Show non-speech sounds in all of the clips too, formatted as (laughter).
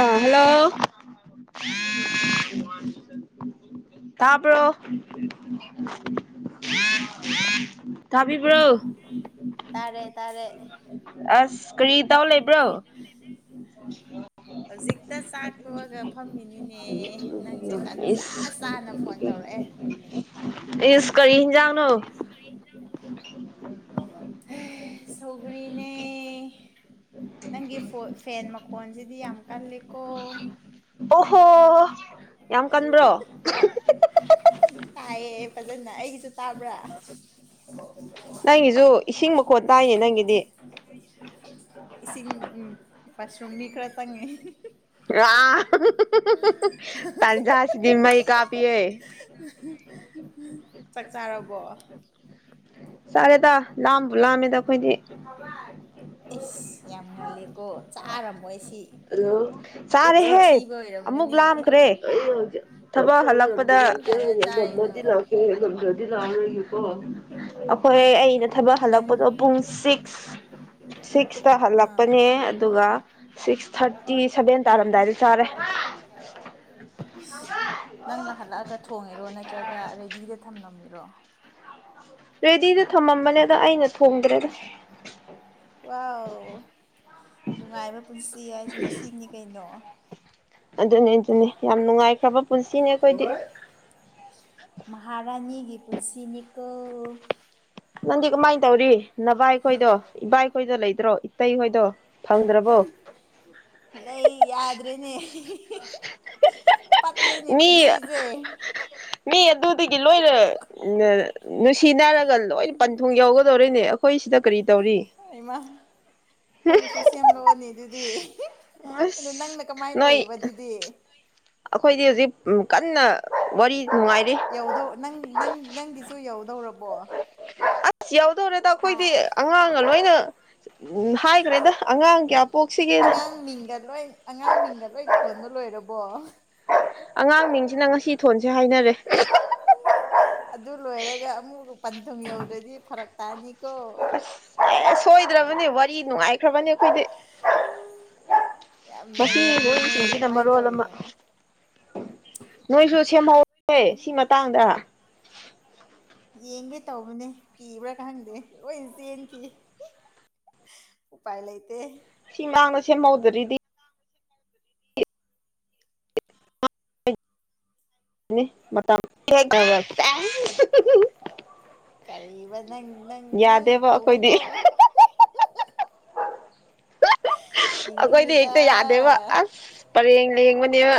ꯑꯥ hello ꯇꯥꯕꯔꯣ ꯇꯥꯕꯤ ꯇꯥꯔꯦ ꯇꯥꯔꯦ ꯑꯁ ꯀꯔꯤ ꯇꯧ ꯂꯩꯕ꯭ꯔꯣ ꯍꯧꯖꯤꯛꯇ ꯆꯥꯛ ꯇꯣꯛꯑꯒ ꯐꯝꯃꯤꯅꯤꯅꯦ ꯏꯁ ꯇꯧꯔꯛ ꯑꯦ ꯌꯁꯀꯔꯤꯖ ꯏꯁ ꯀꯔꯤ (unintelligible) (inaudible) ꯍꯦ ꯁꯧꯒ꯭ꯔꯤꯅꯦ ꯅꯪꯒꯤ ꯐꯦꯟ ꯐꯣꯟꯖꯗꯤ ꯑꯃ ꯀꯥ ꯂꯩꯦꯀꯣ ꯑꯣ ꯍꯣ ꯀꯑ ꯐꯖꯅ ꯍꯆ ꯑ (unintelligible) (inaudible) ꯅꯪꯒꯤꯁꯨ ꯏꯁꯤꯡ ꯃꯈꯣꯠ ꯇꯥꯏꯅꯦ ꯅꯪꯒꯤꯗꯤ ꯏꯁꯤꯡ ꯎꯝ ꯃꯁꯔꯨꯝ ꯃꯤ ꯈꯔ ꯆꯪꯉꯦ ꯄꯖꯁꯤꯗꯤꯃꯏ ꯀꯥ ꯄꯤ ꯆꯥꯛ ꯆꯥꯔꯕꯣ ꯁꯔꯦꯗ ꯂꯕꯨ ꯂꯥꯃꯦꯗꯈꯣꯏꯗꯤ ꯑꯦꯁ ꯌꯥꯝ ꯉꯜꯂꯦꯀꯣ ꯆꯥꯔꯝꯃꯣꯏ ꯑꯩ ꯁꯤ ꯂ ꯃꯆꯤꯟ ꯆꯥꯔꯦꯍꯦ ꯊꯤꯕ ꯑꯃꯨꯛ ꯑꯣꯏꯔꯝꯒꯅꯤ ꯂꯥꯝꯈ꯭ꯔꯦ ꯊꯕꯛ ꯍꯜꯂꯛꯄꯗ ꯄꯨꯡ ꯀꯌꯥꯗ ꯆꯥꯔꯤꯅꯣ ꯉꯃꯗꯤ ꯂꯦꯣ ꯑꯩꯈꯣꯏ ꯑꯩꯅ ꯊꯕꯛ ꯅꯪ ꯍꯜꯂꯛꯄꯗꯣ ꯄꯨꯡ ꯁꯤꯛꯁ ꯁꯤꯛꯁꯇ ꯑꯥ ꯍꯜꯂꯛꯄꯅꯦ ꯑꯗꯨꯒ ꯁꯤꯛꯁ ꯊꯥꯔꯇꯤ ꯁꯚꯦꯟ ꯇꯥꯔꯝꯗꯥꯏꯗꯤ ꯆꯥꯔꯦ ꯏꯁꯁ ꯅꯪꯅ ꯍꯜꯂꯛꯑꯒ ꯊꯣꯡꯉꯤꯔꯣ ꯅꯠꯇ꯭ꯔꯒ ꯔꯦꯗꯤꯗ ꯊꯝꯂꯝꯃꯤꯔꯣ ꯔꯦꯗꯤꯗ ꯊꯝꯃꯝꯕꯅꯦ ꯑꯗ ꯑꯩꯅ ꯊꯣꯡꯗ꯭ꯔꯦꯗ ꯋꯥ ꯅꯨꯡꯉꯥꯏꯕ ꯄꯨꯟꯁꯤ ꯍꯥꯏꯁꯤꯗꯤ ꯁꯤꯅꯤ ꯀꯩꯅꯣ ꯑꯗꯨꯅꯤ ꯑꯗꯨꯅꯤ ꯌꯥꯝ ꯅꯨꯡꯉꯥꯏꯈ꯭ꯔꯕ ꯄꯨꯟꯁꯤꯅꯦ ꯑꯩꯈꯣꯏꯗꯤ ꯃꯍꯥꯔꯥꯅꯤꯒꯤ ꯄꯨꯟꯁꯤ ꯃꯤꯀꯜ ꯅꯪꯗꯤ ꯀꯃꯥꯏꯅ ꯇꯧꯔꯤ ꯅꯚꯏꯈꯣꯏꯗꯣ ꯏꯕꯥꯏꯈꯣꯏꯗꯣ ꯂꯩꯗ꯭ꯔꯣ ꯏꯇꯩꯈꯣꯏꯗꯣ ꯅ ꯌꯥꯗ ꯔꯦꯅꯦ (unintelligible) (inaudible) ꯃꯤ ꯄꯨꯟꯁꯤꯁꯦ ꯃꯤ ꯑꯗꯨꯗꯒꯤ ꯂꯣꯏꯅ ꯅꯨꯡꯁꯤ ꯅꯥꯔꯒ ꯂꯣꯏ ꯄꯟꯊꯨꯡ ꯌꯧꯒꯗꯧꯔꯤꯅꯦ ꯑꯩꯈꯣꯏ ꯁꯤꯗ ꯀꯔꯤ ꯇꯧꯔꯤ ꯑꯩꯃ ꯑꯩꯈꯣꯏꯒꯤꯁꯨ ꯁꯦꯝꯂꯛꯑꯣꯅꯤ ꯑꯗꯨꯗꯤ ꯑꯗ ꯑꯁ ꯅꯪꯅ ꯀꯃꯥꯏꯅ ꯅꯣꯏ ꯇꯧꯔꯤꯕ ꯑꯗꯨꯗꯤ ꯑꯗꯨ ꯑꯩꯈꯣꯏꯗꯤ ꯍꯧꯖꯤꯛ ꯀꯟꯅ ꯋꯥꯔꯤ ꯅꯨꯡꯉꯥꯏꯔꯤ ꯌꯧꯗꯧ ꯅꯪ ꯅꯪ ꯅꯪꯒꯤꯁꯨ ꯌꯧꯗꯧꯔꯕꯣ ꯑꯁ ꯌꯥꯎꯗꯧꯔꯦꯗ ꯍꯥ ꯑꯩꯈꯣꯏꯗꯤ ꯑꯉꯥꯡꯅ ꯂꯣꯏꯅ ꯎꯝ ꯍꯥꯏꯈ꯭ꯔꯦꯗ ꯑꯉꯥꯡ ꯀꯌꯥ ꯄꯣꯛꯁꯤꯒꯦꯅ ꯑꯉꯥꯡ ꯃꯤꯡꯒ ꯂꯣꯏ ꯑꯉꯥꯡ ꯃꯤꯡꯒ ꯂꯣꯏ ꯊꯣꯟꯕ ꯂꯣꯏꯔꯕ (unintelligible) (inaudible) ꯑꯉꯥꯡ ꯃꯤꯁꯤꯅ ꯉꯁꯤ ꯊꯣꯟꯁꯦ ꯍꯥꯏꯅꯔꯦ ꯑꯗꯨ ꯂꯣꯏꯔꯒ ꯑꯃꯨꯛ ꯄꯟꯊꯨꯡ ꯌꯧꯗ꯭ꯔꯗꯤ ꯐꯔꯛ ꯇꯥꯅꯤ ꯑꯁ ꯁꯣꯏꯗ꯭ꯔꯕꯅꯦ ꯋꯥꯔꯤ ꯅꯨꯡꯉꯥꯏꯈ꯭ꯔꯕꯅꯦ ꯑꯩꯈꯣꯏꯗꯤ ꯌꯥꯝ ꯉ ꯅꯩꯔꯝꯃꯦ ꯅꯣꯏꯁꯦ ꯃꯣꯏꯁꯤꯡꯁꯤꯅ ꯀꯃꯥꯏꯅ ꯃꯔꯣꯜ ꯑꯃ ꯇꯧꯔꯤꯅꯣ ꯅꯣꯏꯁꯨ ꯁꯦꯝꯍꯧ ꯑꯦ ꯁꯤ ꯃꯇꯥꯡꯗ ꯌꯦꯡꯒꯦ ꯇꯧꯕꯅꯦ ꯀꯤꯕ꯭ꯔꯥ ꯈꯪꯗꯦ ꯂꯣꯏ ꯆꯦꯟꯈꯤ ꯎꯥꯏ ꯂꯩꯇ ꯁꯤꯃꯥꯡꯅ ꯁꯦꯝꯍꯧꯗ꯭ꯔꯤꯗꯤ ꯃꯇꯝ ꯀꯔꯤꯕ ꯅꯪ ꯅꯪ ꯅꯪ ꯌꯥꯗꯦꯕ ꯇꯧꯅꯨ ꯀꯣ ꯑ (inaudible) ꯑꯩꯈꯣꯏꯗꯤ ꯌꯦꯡꯅꯤꯡꯉꯤꯗ ꯍꯦꯛꯇ ꯌꯥꯗꯦꯕ ꯑꯁ ꯄꯔꯦꯡ ꯂꯦꯡꯕꯅꯦꯕ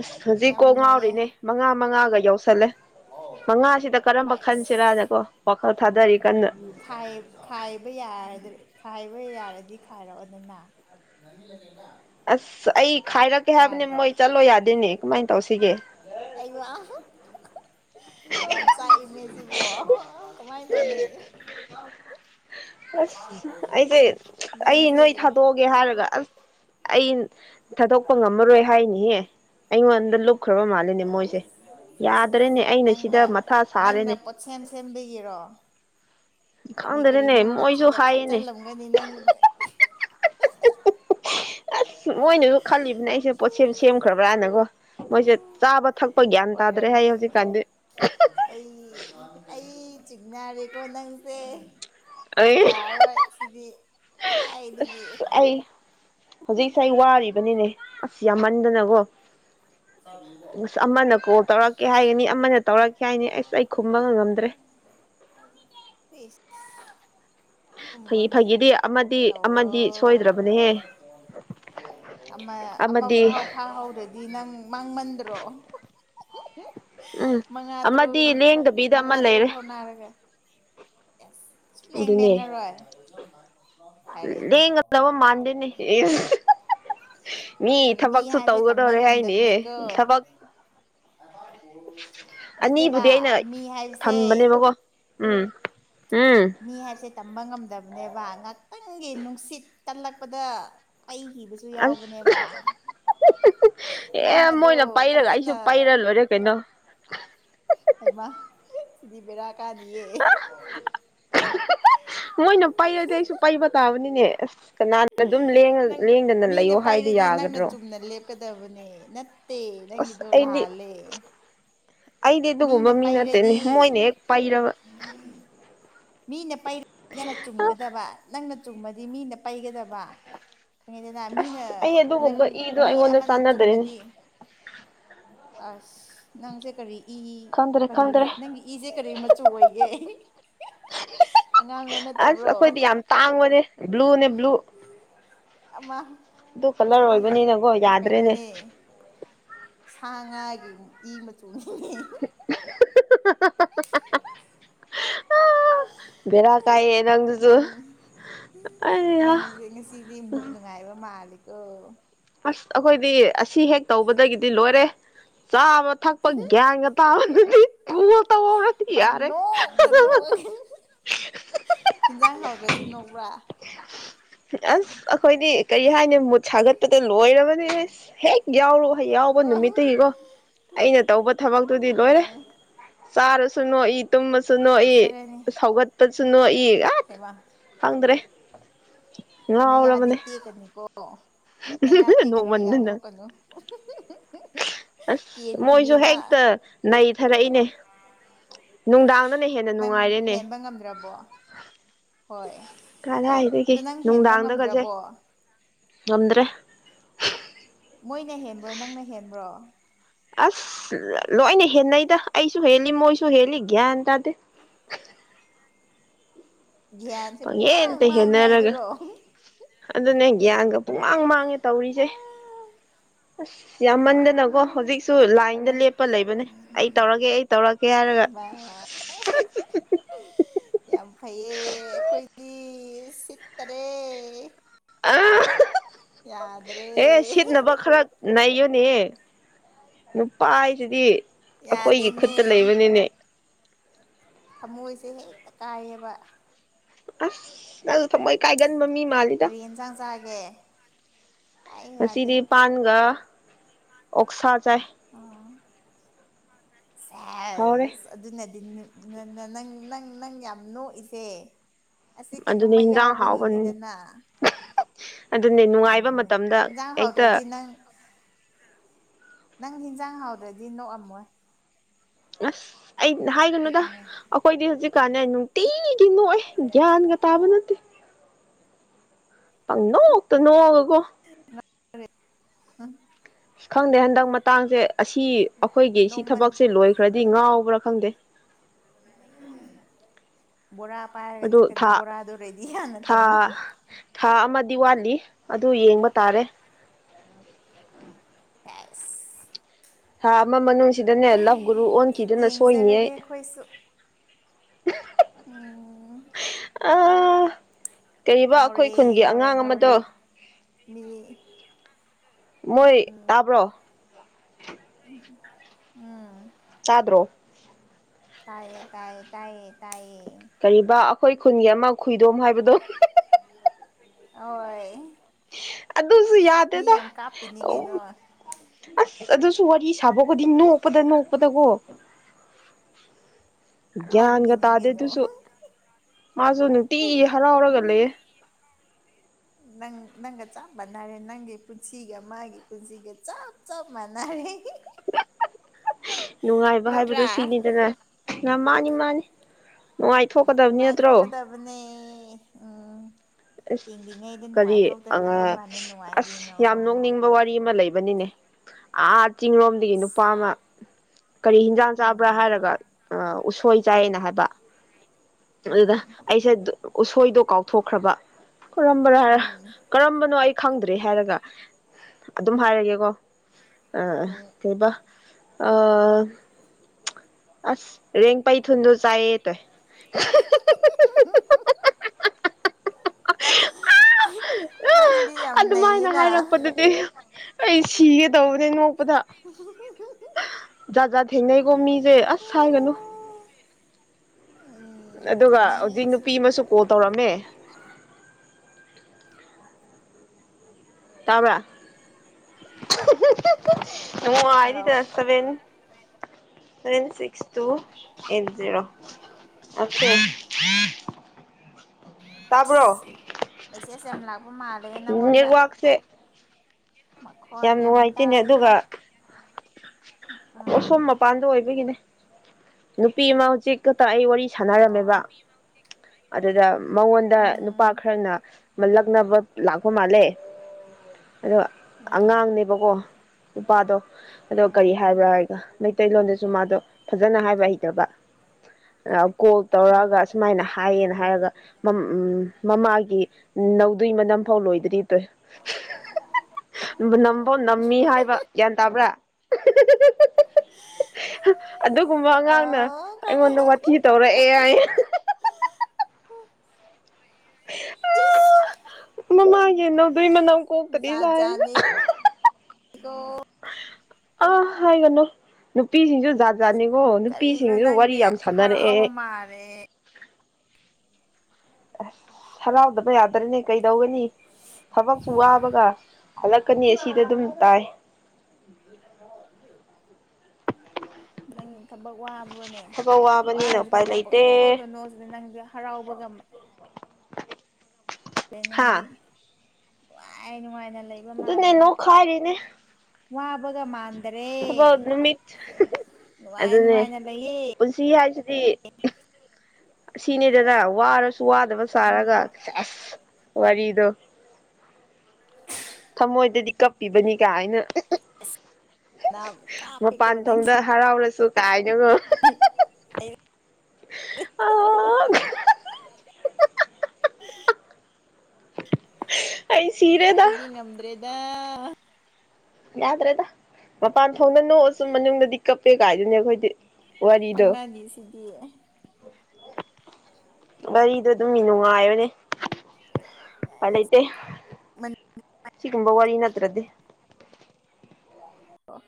ꯑꯁ ꯍꯧꯖꯤꯛ ꯌꯥꯝ ꯀꯣꯛ ꯅꯩꯌꯦ ꯉꯥꯎꯔꯤꯅꯦ ꯃꯉꯥ ꯃꯉꯥꯒ ꯌꯧꯁꯜꯂꯦ ꯃꯉꯥꯁꯤꯗ ꯀꯔꯝꯕ ꯄꯥꯏꯁ ꯈꯟꯁꯤꯔꯥꯅꯀꯣ ꯋꯥꯈꯜ ꯊꯥꯗꯔꯤ ꯀꯟꯅ ꯈꯥꯏ ꯈꯥꯏꯕ ꯌꯥꯔꯗꯤ ꯈꯥꯏꯕ ꯌꯥꯔꯗꯤ ꯈꯥꯏꯔꯛꯑꯣꯗꯅ ꯑꯁ ꯑꯩ ꯈꯥꯏꯔꯛꯀꯦ ꯍꯥꯏꯕꯅꯤ ꯌꯥꯗ꯭ꯔꯣ ꯃꯣꯏ ꯆꯠꯂꯣ ꯌꯥꯗꯦꯅꯦ ꯀꯃꯥꯏꯅ ꯇꯧꯁꯤꯒꯦ ꯑꯋꯥ ꯌꯥꯝ ꯆꯥꯛꯏꯃꯦꯁꯤꯕꯣ ꯀꯃꯥꯏꯅ ꯇꯧꯅꯤ ꯑꯁ ꯑꯩꯁꯦ ꯑꯩ ꯅꯣꯏ ꯅꯪꯁꯦ ꯊꯥꯗꯣꯛꯑꯒꯦ ꯍꯥꯏꯔꯒ ꯑꯁ ꯑꯩ ꯊꯥꯗꯣꯛꯄ ꯉꯝꯃꯔꯣꯏ ꯍꯥꯏꯅꯤꯍꯦ ꯑꯩꯉꯣꯟꯗꯨꯞ ꯀꯈ꯭ꯔꯕ ꯃꯥꯜꯂꯤꯅꯦ ꯃꯣꯏꯁꯦ ꯌꯥꯗ꯭ꯔꯦꯅꯦ ꯑꯩꯅ ꯅꯪꯅ ꯁꯤꯗ ꯃꯊꯥ ꯅꯪꯅ ꯁꯥꯔꯦꯅꯦ ꯄꯣꯠꯁ ꯁꯦꯝꯕꯤꯒꯤꯔꯣ ꯀꯔꯤ ꯀꯔꯤ ꯈꯪꯗ꯭ꯔꯦꯅꯦ ꯃꯣꯏꯁꯨ ꯅꯨꯃꯤꯠꯁꯤꯒ ꯍꯥꯏꯌꯦꯅꯦ ꯈꯠꯆꯜꯂꯝꯒꯅꯤ ꯅꯪ ꯑꯁ ꯃꯣꯏꯅꯁꯨ ꯈꯜꯂꯤꯕꯅꯦ ꯑꯩꯁꯦ ꯄꯣꯠꯁ ꯁꯦꯝꯈ꯭ꯔꯕ꯭ꯔꯥꯅꯒꯣ ꯃꯣꯏꯁꯦ ꯆꯥꯕ ꯊꯛꯄ ꯒ꯭ꯌꯥꯟ ꯇꯥꯗ꯭ꯔꯦ ꯑꯣꯏꯔꯝꯅꯤ ꯍꯥꯏꯌꯦ ꯍꯧꯖꯤꯛꯀꯥꯟꯗꯤ ꯑꯩ ꯑꯩ ꯆꯤꯡꯅꯔꯦꯀꯣ ꯅꯪꯁꯦ ꯑꯩ ꯌꯥꯔꯔꯣꯏ ꯁꯤꯗꯤ ꯀꯥꯏꯗꯒꯤ ꯍꯧꯖꯤꯛ ꯁꯥꯏ ꯋꯥ ꯅꯦ ꯑꯁ ꯌꯥꯝꯃꯟꯗꯅꯀꯣ ꯑ ꯑꯃꯅ ꯀꯣꯜ ꯇꯧꯔꯛ ꯀꯦ ꯍꯥꯏꯒꯅꯤ ꯑꯃꯅ ꯇꯧꯔꯛꯀꯦ ꯍꯥꯏꯅꯤ ꯑꯁ ꯑꯩ ꯈꯨꯝꯕ ꯉꯝꯗ꯭ꯔꯦ ꯁ ꯐ ꯐꯩꯒꯤꯗꯤ ꯑꯃꯗꯤ ꯑꯃꯗꯤ ꯇꯧꯔꯣ ꯁꯣꯏꯗ꯭ꯔꯕꯅꯦꯍꯦ ꯑꯃ ꯑꯃꯥꯎ ꯑꯃꯗꯤ ꯐꯥꯎꯍꯧꯗꯗꯤ ꯅꯪ ꯃꯥꯡꯃꯟꯗ꯭ꯔꯣ ꯎꯝ ꯃꯉꯥ ꯑꯃꯗꯤ ꯄꯨꯡ ꯂꯦꯡꯗꯕꯤꯗ ꯑꯃ ꯃꯉꯥ ꯇꯔꯨꯛ ꯂꯩꯔꯦ ꯐꯥꯎ ꯅꯥꯔꯒ ꯑꯦꯁ ꯁꯨꯡ ꯂꯦꯡ ꯂꯦꯡꯉꯔꯣꯏ (inaudible) ꯍꯥꯏꯔꯛꯑꯦꯅꯦ ꯂꯩ ꯉꯗꯕ ꯃꯥꯥꯟꯗꯅꯦ ꯃꯤ ꯊꯕꯛꯁꯨ ꯍꯥꯏꯁꯦ ꯇꯝꯕ ꯇꯧꯒꯗꯧꯔꯦ ꯍꯥꯏꯅꯤ ꯉꯝꯗꯕꯅꯤꯀꯣ ꯊꯕꯛ ꯅꯠꯇꯦꯕ ꯑꯅꯤꯕꯨꯗꯤ ꯑꯩꯅ ꯃꯤ ꯍꯥꯏꯕꯁꯦ ꯊꯝꯕꯅꯦꯕꯀꯣ ꯎꯝ ꯎꯝ ꯃꯤ ꯍꯥꯏꯕꯁꯦ ꯇꯝꯕ ꯉꯝꯗꯕꯅꯦꯕ ꯉꯍꯥꯛꯇꯪꯒꯤ ꯅꯨꯡꯁꯤꯠ ꯇꯜꯂꯛꯄꯗ ꯑꯩꯩ ꯍꯤꯕꯁꯨ ꯑꯁ ꯌꯥꯎꯕꯅꯦꯕ ꯅꯪ ꯑꯦ ꯑꯗꯣ ꯃꯣꯏꯅ ꯄꯥꯏꯔꯒ ꯑꯩꯁꯨ ꯐꯖꯅ ꯄꯥꯏꯔ ꯂꯣꯏꯔꯦ ꯀꯩꯅꯣ ꯑꯩꯃ ꯁꯤꯗꯤꯕꯔꯥ ꯃꯣꯏꯅ ꯄꯩꯔꯗꯤ ꯑꯩꯁꯨ ꯄꯩꯕ ꯇꯥꯕꯅꯤꯅꯦ ꯑꯁ ꯀꯅꯥꯅ ꯑꯗꯨꯝ ꯅꯪ ꯂꯦꯡꯗꯅ ꯃꯤꯅ ꯂꯩꯌꯣ ꯍꯥꯏꯗꯤ ꯄꯥꯏꯔꯗꯤ ꯅꯪꯅ ꯌꯥꯒꯗ꯭ꯔꯣ ꯆꯨꯝꯅ ꯂꯦꯞꯀꯗꯕꯅꯦ ꯑꯁ ꯅꯪꯗꯔ ꯑꯩꯗꯤ ꯂꯂꯦ ꯑꯩꯗꯤ ꯑꯗꯨꯒꯨꯝꯕ ꯃꯤ ꯅꯠꯇꯦꯅꯦ ꯃꯣꯏꯅ ꯍꯦꯛ ꯄꯥꯏꯔꯕ ꯃꯤꯅ ꯄꯩꯗꯅ ꯆꯨꯝꯒꯗꯕ ꯅꯪꯅ ꯆꯨꯝꯃꯗꯤ ꯃꯤꯅ ꯄꯩꯒꯗꯕ ꯈꯪꯉꯦꯗꯅ ꯃꯤꯅ ꯑꯁ ꯑꯩ ꯅꯪ ꯑꯗꯨꯒꯨꯝꯕ ꯏꯗꯣ ꯃꯤ ꯑꯩꯉꯣꯟꯗ ꯑꯃꯅ ꯆꯥꯟꯅꯗ꯭ꯔꯦꯅꯦ ꯆꯨꯝꯃꯗꯤ ꯑꯁ ꯅꯪꯁꯦ ꯀꯔꯤ ꯏ ꯈꯪꯗ꯭ꯔꯦ ꯀꯔꯤ ꯈꯪꯗ꯭ꯔꯦ ꯅꯪꯒꯤ ꯏꯁꯁꯦ ꯀꯔꯤ ꯃꯆꯨ ꯑꯣꯏꯒꯦ ꯑꯉꯥꯡꯕ ꯑꯁ ꯅꯠꯇꯕ꯭ꯔꯣ ꯑꯩꯈꯣꯏꯗꯤ ꯌꯥꯝ ꯇꯥꯡꯕꯅꯦ ꯕ꯭ꯂꯨꯅꯦ ꯕ꯭ꯂꯨ ꯑꯃ ꯑꯗꯨ ꯀꯂꯔ ꯁꯤꯗꯤ ꯑꯣꯏꯕꯅꯤꯅꯀꯣ ꯌꯥꯗ꯭ꯔꯦꯅꯦ ꯀꯩꯅꯣꯅꯦ ꯁꯥ ꯉꯥꯒꯤ ꯏ ꯃꯆꯨꯅꯤ (inaudible) ꯕꯤꯔ ꯀꯥꯏ ꯅꯪ ꯑꯩꯍꯥ ꯅꯪꯁꯦ ꯉꯁꯤꯗꯤꯦ ꯃꯨꯠ ꯅꯨꯡꯉꯥꯏꯕ ꯃꯥꯂꯦ ꯑ ꯑꯁ ꯑꯩꯈꯣꯏꯗꯤ ꯑꯁꯤ ꯍꯦꯛ ꯇꯧꯕꯗꯒꯤꯗꯤ ꯂꯣꯏꯔꯦ ꯆꯥꯕ ꯊꯛꯄ ꯒ꯭ꯌꯥꯟꯒ ꯇꯥꯕꯗꯗꯤ ꯀ ꯇꯧꯍꯧꯔꯗꯤ ꯌꯥꯔꯦ ꯄꯪꯅꯣꯛꯇ ꯍꯦ ꯅꯣꯛꯑꯒ ꯍꯦ ꯍꯤꯟꯖꯥꯡ ꯍꯥꯎꯗ꯭ꯔꯁꯨ ꯅꯣꯛꯕꯄ꯭ꯔꯥ ꯑꯁ ꯑꯩꯈꯣꯏꯗꯤ ꯀꯔꯤ ꯍꯥꯏꯅꯤ ꯃꯨꯠ ꯁꯥꯒꯠꯄꯗ ꯂꯣꯏꯔꯕꯅꯤ ꯑꯁ ꯍꯦꯛ ꯌꯥꯎꯔꯣ ꯍꯩ ꯌꯥꯎꯕ ꯎꯝ ꯅꯨꯃꯤꯠꯇꯒꯤꯀꯣ ꯑꯩꯅ ꯇꯧꯕ ꯊꯕꯛꯇꯨꯗꯤ ꯂꯣꯏꯔꯦ ꯆꯥꯔꯁꯨ ꯅꯣꯛꯏ ꯇꯨꯝꯃꯁꯨ ꯅꯣꯛꯏ ꯐꯖꯔꯅꯤ ꯁꯧꯒꯠꯄꯁꯨ ꯅꯣꯛꯏ ꯏ ꯑꯥ ꯍꯩꯃꯥ ꯈꯪꯗ꯭ꯔꯦ ꯅꯌꯥꯗꯤ ꯉꯥꯎꯔꯕꯅꯦ ꯇꯦꯛ ꯀꯅꯤꯀꯣ ꯅꯌꯥ ꯇꯦꯛ ꯀꯅꯤ ꯌꯥꯝ ꯅꯣꯡꯃꯟꯗꯅ ꯅꯣꯛꯀꯅꯨ ꯑꯁ ꯃꯣꯏꯁꯨ ꯀꯦꯟꯈꯤꯅꯦꯕ ꯍꯦꯛꯇ ꯅꯩꯊꯔꯛꯏꯅꯦ ꯅꯨꯡꯗꯥꯡꯗꯅ ꯍꯦꯟꯅ ꯅꯪ ꯅꯨꯡꯉꯥꯏꯔꯦꯅꯦ ꯍꯦꯟꯕ ꯉꯝꯗ꯭ꯔꯕꯣ ꯍꯣꯏ ꯑꯗꯨ ꯀꯗꯥꯏꯗꯒꯤ ꯅꯪ ꯍꯦꯟꯕ ꯅꯨꯡꯗꯥꯡꯗꯒꯁꯦ ꯉꯝꯗ꯭ꯔꯕꯣ ꯉꯝꯗ꯭ꯔꯦ ꯃꯣꯏꯅ ꯍꯦꯟꯕ꯭ꯔꯣ ꯅꯪꯅ ꯍꯦꯟꯕ꯭ꯔꯣ ꯑꯁ ꯂ ꯂꯣꯏꯅ ꯍꯦꯟꯅꯩꯗ ꯑꯩꯁꯨ ꯍꯦꯜꯂꯤ ꯃꯣꯏꯁꯨ ꯍꯦꯜꯂꯤ ꯒ꯭ꯌꯥꯟ ꯇꯥꯗꯦ ꯍꯥ ꯒ꯭ꯌꯥꯟꯁꯦ ꯄꯨꯡꯃꯥꯡ ꯄꯪꯍꯦꯟꯇ ꯃꯥꯡꯉꯦ ꯍꯦꯟꯅꯔꯒ ꯍꯥꯏꯁꯤꯔꯣ ꯑꯗꯨꯅꯦ ꯒ꯭ꯌꯥꯟꯒ ꯄꯨꯡꯃꯥꯡ ꯃꯥꯡꯉꯦ ꯇꯧꯔꯤꯖꯦ ꯑꯁ ꯌꯥꯝꯃꯟꯗꯅꯀꯣ ꯍꯧꯖꯤꯛꯁꯨ ꯂꯥꯏꯟꯗ ꯍꯣꯔꯦꯟ ꯂꯦꯞꯄ ꯂꯩꯕꯅꯦ ꯑꯩ ꯇꯧꯔꯒꯦ ꯑꯩ ꯇꯧꯔꯛꯀꯦ ꯍꯥꯏꯔꯒ ꯍꯥ ꯍꯥ ꯌꯥꯝ ꯐꯩꯌꯦ ꯑꯩꯈꯣꯏꯗꯤ ꯁꯤꯠꯇ꯭ꯔꯦ ꯍꯥ ꯍꯦ ꯌꯥꯗ꯭ꯔꯦ ꯁꯤꯠ ꯅꯕ ꯈꯔ ꯅꯩꯌꯨ ꯅꯤꯌꯦ ꯅꯨꯄꯥ ꯍꯥꯏꯁꯤꯗꯤ ꯑꯩꯈꯣꯏꯒꯤ ꯌꯥꯗꯦꯃꯤ ꯈꯨꯠꯇ ꯂꯩꯕꯅꯤꯅꯦ ꯃꯣꯏꯁꯦ ꯍꯦꯛꯇ ꯀꯥꯏꯌꯦꯕ ꯑꯁ ꯅꯪꯗꯨ ꯊꯃꫭꯏ ꯀꯥꯏꯒꯟ ꯃꯤ ꯃꯥꯜꯂꯤꯗ ꯀꯔꯤ ꯌꯦꯟꯁꯥꯡ ꯆꯥꯒꯦ ꯀꯥꯏ ꯌꯥꯗꯦ ꯉꯁꯤꯗꯤ ꯄꯥꯟꯒ ꯑꯣꯛꯁꯥ ꯆꯥꯏ ꯍ ꯍꯥꯎꯔꯦ ꯑꯗꯨ ꯑꯗꯨ ꯅꯗꯤ ꯅ ꯅ ꯅꯪ ꯅꯪ ꯅꯪ ꯌꯥꯝ ꯅꯣꯛꯏꯁꯦ ꯑꯁꯤ ꯑꯗꯨꯅꯦ ꯀꯩꯅꯣꯝꯃ ꯍꯤꯟꯖꯥꯡ ꯍꯥꯎꯕ ꯌꯥꯎꯕꯒꯤꯅꯤꯗꯅ ꯑꯗꯨꯅꯦ ꯅꯨꯡꯉꯥꯏꯕ ꯑꯗꯨꯅꯦ ꯃꯇꯝꯗ ꯍꯤꯟꯖꯥꯡ ꯍꯦꯛꯇ ꯍꯥꯎꯗ꯭ꯔꯗꯤ ꯅꯪ ꯅꯪ ꯍꯤꯟꯖꯥꯡ ꯍꯥꯎꯗ꯭ꯔꯗꯤ ꯅꯣꯛꯑꯝꯃꯣꯏ ꯑꯁ ꯑꯩꯅ ꯑꯩ ꯍꯥꯏꯒꯅꯨꯗ ꯈꯪꯉꯦ ꯑꯩꯈꯣꯏꯗꯤ ꯍꯧꯖꯤꯛ ꯀꯥꯅꯦ ꯅꯨꯡꯇꯤꯒꯤ ꯅꯣꯛꯑꯦ ꯒ꯭ꯌꯥꯟꯒ ꯇꯥꯕ ꯅꯠꯇꯦ ꯄꯪꯅꯣꯛꯇ ꯅꯣꯛꯑꯒ ꯀꫭ ꯐꯔꯦ ꯑ ꯈꯪꯗꯦ ꯍꯟꯗꯛ ꯃꯇꯥꯡꯁꯦ ꯑꯁꯤ ꯑꯩꯈꯣꯏꯒꯤ ꯁꯤ ꯅꯣꯡꯃꯟ ꯊꯕꯛꯁꯦ ꯂꯣꯏꯈ꯭ꯔꯗꯤ ꯉꯥꯎꯕ꯭ꯔꯥ ꯈꯪꯗꯦ ꯎꯝ ꯕꯣꯔꯥ ꯄꯥꯏꯔꯒ ꯑꯗꯨ ꯆꯠꯀꯅꯤ ꯊꯥ ꯕꯣꯔꯥꯗꫭꯔꯦꯗꯤ ꯍꯟꯅ ꯊꯝꯃꯣ ꯗꯤ ꯋꯥꯠꯂꯤ ꯑꯗꯨ ꯌꯦꯡꯕ ꯇꯥꯔꯦ ꯑꯦꯁ ꯊꯥ ꯑꯃ ꯃꯅꯨꯡꯁꯤꯗꯅꯦ ꯂꯞ ꯒꯨꯔꯨ ꯑꯣꯟꯈꯤꯗꯅ ꯁꯣꯏꯅꯤ ꯌꯦꯡꯖꯔꯒꯦ ꯑꯩ ꯍꯥ ꯑꯣ ꯑꯥ.. ꯉꯥꯎ꯭ꯔꯦ ꯉꯥꯎ꯭ꯔꯦ ꯉꯥꯎ꯭ꯔꯦ ꯃꯤꯗꯤ ꯃꯣꯏ ꯇꯥꯕ꯭ꯔꯣ ꯎꯝ ꯇꯥꯗ꯭ꯔꯣ ꯇꯥꯏꯌꯦ ꯇꯥꯏꯌꯦ ꯇꯥꯏꯌꯦ ꯇꯥꯥꯏꯌꯦ ꯀꯩꯕꯥ ꯑꯩꯈꯣꯏ ꯈꯨꯟꯒꯤ ꯑꯃ ꯈꯨꯏꯗꯣꯝ ꯍꯥꯏꯕꯗꯣ ꯍꯥ ꯍꯥ ꯍꯣꯏ ꯑꯗꯨꯁꯨ ꯃꯤ ꯌꯥꯗꯦꯗ ꯌꯥꯝ ꯀꯥꯞꯄꯤꯅꯤ ꯀꯩꯅꯣ ꯑꯁ ꯑꯗꯨꯁꯨ ꯋꯥꯔꯤ ꯊꯕ ꯀꯣꯗꯤ ꯅ ꯎꯄꯗ ꯅ ꯎꯄꯗ ꯀꯣ ꯟꯒ ꯍꯔꯥꯎꯕꯒꯤꯅꯤ ꯀꯩꯅꯣ ꯇꯥꯗꯦꯗꯨꯁꯨ ꯃꯥꯁꯨ ꯅꯨꯡꯇꯤ ꯍꯔꯥꯎꯔꯒ ꯂꯩ ꯎꯝ ꯅꯪ ꯅꯪꯒ ꯆꯞ ꯃꯥꯟꯅꯔꯦ ꯅꯪꯒꯤ ꯄꯨꯟꯁꯤꯒ ꯃꯥꯒꯤ ꯄꯨꯟꯁꯤꯒ ꯆꯞ ꯆꯞ ꯃꯥꯟꯅꯔꯦ (unintelligible) ꯅꯨꯡꯉꯥꯏꯕ ꯍꯥꯏꯕꯗꯣ ꯅꯠꯇ꯭ꯔꯥ ꯁꯤꯅꯤꯗꯅ ꯌꯥꯝ ꯃꯥꯅꯤ ꯃꯥꯅꯤ ꯅꯨꯡꯉꯥꯏꯊꯣꯛꯀꯗꯕꯅꯤ ꯅꯠꯇ꯭ꯔꯣ ꯅꯨꯡꯉꯥꯏꯊꯣꯛꯀꯗꯕꯅꯦ ꯎꯝ ꯑꯦꯁ ꯍꯤꯡꯂꯤꯉꯩꯗ ꯀꯔꯤ ꯑ ꯅꯨꯡꯉꯥꯏꯊꯣꯛꯇꯅ ꯀꯔꯝ ꯀꯥꯟꯗ ꯑꯁ ꯅꯨꯡꯉꯥꯏꯗꯣꯏꯅꯣ ꯌꯥꯝ ꯅꯣꯛꯅꯤꯡꯕ ꯋꯥ ꯑꯃ ꯂꯩꯕꯅꯤꯅꯦ ꯑ ꯆꯤꯡꯔꯣꯝꯗꯒꯤ ꯅꯨꯄꯥ ꯁꯥꯏ ꯑꯃ ꯀꯔꯤ ꯍꯤꯟꯖꯥꯡ ꯆꯥꯕ꯭ꯔꯥ ꯎꯝ ꯍꯥꯏꯔꯒ ꯎꯁꯣꯏ ꯆꯥꯏꯌꯦꯅ ꯍꯥꯏꯕ ꯑꯗꯨꯗ ꯎꯝ ꯑꯩꯁꯦ ꯎꯁꯣꯏꯗꯣ ꯀꯥꯎꯊꯣꯛꯈ꯭ꯔꯕ ꯀꯔꯝꯕꯅꯣ ꯍꯥꯏ ꯎꯝ ꯀꯔꯝꯕꯅꯣ ꯑꯩ ꯈꯪꯗ꯭ꯔꯦ ꯍꯥꯏꯔ ꯑꯗꯨꯝ ꯍꯥꯏꯔꯒꯦꯀꯣ ꯎꯝ ꯀꯩꯕ ꯑ ꯑꯁ ꯔꯦꯡꯦꯡ ꯄꯏ ꯊꯗ ꯆꯥꯏꯌꯦ ꯇꯦ (inaudible) ꯑ ꯃꯗꯤ ꯌꯥ ꯑꯗꯨꯃꯥꯏꯅ ꯍꯥꯏꯔꯛꯄꯗꯗꯤ ꯑꯩ ꯁꯤꯒꯗꯧꯕꯅꯦ ꯅꯣꯛꯄꯗ ꯌꯥꯥꯖꯥ ꯊꯦꯡꯅꯩ ꯀꯃꯤꯖꯦ ꯑꯁ ꯆꯥꯏꯒꯅꯨ ꯎꯝ ꯑꯗꯨꯒ ꯊꯦꯡꯅꯩ ꯍꯧꯖꯤꯛ ꯑꯩꯁꯨ ꯅꯨꯄꯤ ꯑꯃꯁꯨ ꯀꯣꯜ ꯇꯧꯔꯝꯃꯦ ꯇꯥꯕ ꯎ ꯍꯜꯂꯣ ꯍꯥꯏꯔꯤꯗꯁꯕꯦꯟ seven six two eight zero ꯑꯆꯥ ꯇꯕꯣ ꯃꯦꯁꯦꯖ ꯌꯥꯝ ꯂꯥꯛꯄ ꯃꯥꯜꯂꯦ ꯅꯪꯉꯣꯟꯗ ꯀꯣꯛꯁꯦ ꯃꯈꯣꯟ ꯌꯥꯝ ꯅꯨꯡꯉꯥꯏꯇꯦꯅꯦ ꯇꯥꯏꯗ ꯑꯗꯨꯒ ꯑꯥ ꯑꯁꯣꯝ ꯃꯄꯥꯟꯗ ꯑꯣꯏꯕꯒꯤꯅꯦ ꯅꯨꯄꯤ ꯑꯃ ꯍꯧꯖꯤꯛ ꯈꯛꯇ ꯑꯩ ꯋꯥꯔꯤ ꯑꯣ ꯁꯥꯟꯅꯔꯝꯃꯦꯕ ꯑꯗꯨꯗ ꯃꯉꯣꯟꯗ ꯎꯝ ꯅꯨꯄꯥ ꯈꯔꯅ ꯃꯜꯂꯛꯅꯕ ꯂꯥꯛꯄ ꯃꯥꯜꯂꯦ ꯑꯗꯣ ꯎꯝ ꯑꯉꯥꯡꯅꯦꯕꯀꯣ ꯅꯨꯄꯥꯗꯣ ꯑꯗꯣ ꯀꯔꯤ ꯎꯝ ꯍꯥꯏꯕ꯭ꯔꯥ ꯍꯥꯏꯒ ꯃꯩꯇꯩꯂꯣꯟꯗꯁꯨ ꯃꯥꯗꯣ ꯐꯖꯅ ꯍꯥꯏꯕ ꯍꯩꯇꯕ ꯀꯣꯜ ꯎꯝ ꯇꯧꯔꯛꯑꯒ ꯁꯨꯃꯥꯏꯅ ꯍꯥꯏꯌꯦꯅ ꯍꯥꯏꯔꯒ ꯎ ꯃꯃꯥꯒꯤ ꯅꯧꯗꯣꯏ ꯃꯅꯝꯐꯥꯎ ꯂꯣꯏꯗ꯭ꯔꯤ ꯅꯐꯝ ꯅꯝꯃꯤ ꯍꯥꯏꯕ ꯒ꯭ꯌꯥꯟ ꯇꯥꯕ꯭ꯔꯥ (inaudible) (inaudible) ꯑꯗꯨꯒꯨꯝꯕ ꯑꯉꯥꯡꯅ ꯑꯣ ꯈꯪꯉꯦ ꯑꯩꯉꯣꯟꯗ ꯋꯥꯊꯤ ꯇꯧꯔꯛꯑꯦ ꯍꯥꯏ (inaudible) ꯃꯃꯥꯡꯒꯤ ꯌꯦꯅꯗꯏ ꯃꯅꯥ ꯀꯣꯛꯇꯗꯤ ꯁꯥꯔ ꯗ ꯑ ꯍꯥꯏꯒꯅꯣ ꯅꯨꯄꯤꯁꯤꯡ ꯖꯥꯅꯤꯀꯣ ꯀꯔꯤꯅꯣ ꯅꯨꯄꯤꯁꯤꯡꯁꯨ ꯋꯥꯔꯤ ꯅꯪꯗꯤ ꯌꯥꯝ ꯁꯥꯟꯅꯔꯛꯑꯦ ꯍꯔꯥꯎꯕ ꯃꯥꯜꯂꯦ ꯑꯁ ꯍꯔꯥꯎꯗꯕ ꯌꯥꯗ꯭ꯔꯅꯦ ꯀꯩꯗꯧꯒꯅꯤ ꯊꯕꯛꯁꯨ ꯋꯥꯕꯒ ꯍꯜꯂꯛꯀꯅꯤ ꯑꯁꯤꯗ ꯑꯗꯨꯝ ꯇꯥꯏ ꯅꯪ ꯊꯕꯛ ꯋꯥꯕ꯭ꯔꯣꯅꯦ ꯊꯕꯛ ꯋꯥꯕꯅꯤꯅ ꯋꯥꯁꯤ ꯎꯄꯥꯏ ꯀꯥꯏꯗ ꯂꯩꯇꯦ ꯄꯣꯛꯉꯣꯗꯅꯣꯁꯤꯗꯤ ꯅꯪꯗꯤ ꯍꯔꯥꯎꯕ ꯉꯝꯃꯦ ꯂꯦ ꯍꯥ ꯅꯪꯗꯤ ꯅꯨꯉꯥꯏ ꯅꯨꯡꯉꯥꯏꯅ ꯂꯩꯕ ꯗꯨꯅꯦ ꯃꯥꯜꯂꯦ ꯅꯣꯛꯈꯥꯏꯔꯤꯅꯦ ꯋꯥꯕꯒ ꯃꯥꯟꯗꯔꯦ ꯊꯕꯛ ꯅꯨꯃꯤꯠ ꯍꯍ ꯅꯨꯡꯉꯥꯏ ꯑꯗꯨꯅꯦ ꯅꯨꯡꯉꯥꯏꯅ ꯂꯩꯌꯦ ꯄꯨꯟꯁꯤ ꯍꯥꯏꯁꯤꯗꯤ ꯑꯁꯤꯅꯦꯗꯅ ꯋꯥꯔꯁꯨ ꯋꯥꯗꯕ ꯎꯝ ꯁꯥꯔꯒ ꯁꯦꯁ ꯋꯥꯔꯤꯗꯣ ꯊꯃꯣꯏꯗꯗꯤ ꯀꯞꯄꯤꯕꯅꯤ ꯀꯥꯏꯅ ꯑꯁ ꯅꯥꯕ ꯀꯥꯞꯄꯦꯀꯣ ꯃꯄꯥꯟ ꯊꯣꯡꯗ ꯍꯔꯥꯎꯔꯁꯨ ꯀꯥꯏꯅꯀꯣ ꯑꯟꯏꯟꯇꯦꯜꯂꯤꯖꯦꯕꯜ ꯑꯟꯏꯟꯇꯦꯜꯂꯤꯖꯦꯕꯜ ꯑꯩ ꯁꯤꯔꯦꯗ ꯗꯦ ꯌꯥꯗ꯭ꯔꯦꯗ ꯃꯄꯥꯟ ꯊꯣꯡꯗ ꯅꯣꯛꯑꯁꯨꯨ ꯃꯅꯨꯡꯗꯗꯤ ꯀꯞꯄꯦ ꯀꯥꯏꯗꯨꯅꯦ ꯑꯩꯈꯣꯏꯗꯤ ꯋꯥꯔꯤꯗꯣ ꯄꯪꯃꯅꯤꯁꯤꯗꯤ ꯋꯥꯔꯤꯗꯣ ꯑꯗꯨꯝꯗꯤ ꯅꯨꯡꯉꯥꯏꯕꯅꯦ ꯎꯄꯥꯏ ꯂꯩꯇꯦ ꯁꯤꯒꯨꯝꯕ ꯋꯥꯔꯤ ꯅꯠꯇ꯭ꯔꯗꯤ ꯑꯣ